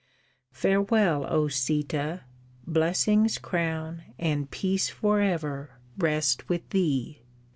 Farewell, O Sîta! Blessings crown And Peace for ever rest with thee!"